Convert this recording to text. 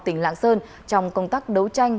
tỉnh lạng sơn trong công tác đấu tranh